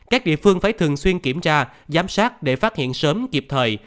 các địa phương phải thường xuyên kiểm tra giám sát để phát hiện sớm kịp thời